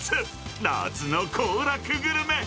夏の行楽グルメ。